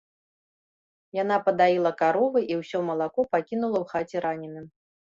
Яна падаіла каровы, і ўсё малако пакінула ў хаце раненым.